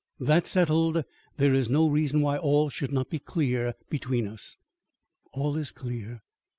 That settled, there is no reason why all should not be clear between us." "All is clear."